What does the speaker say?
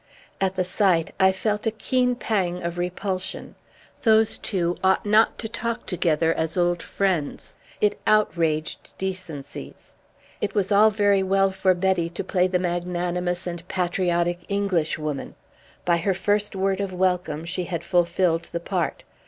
At the sight I felt a keen pang of repulsion. Those two ought not to talk together as old friends. It outraged decencies. It was all very well for Betty to play the magnanimous and patriotic Englishwoman. By her first word of welcome she had fulfilled the part.